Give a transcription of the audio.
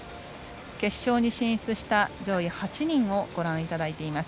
決勝に進出した上位８人をご覧いただいています。